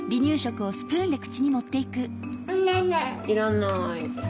いらない。